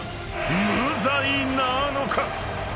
無罪なのか？］